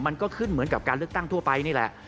มันก็ขึ้นเหมือนกับการเลือกตั้งทั่วไปนี่แหละ